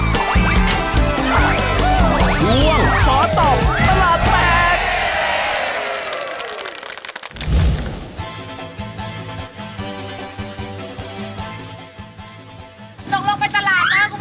ไปตลาดครับถึงเวลานะครับเชิญครับ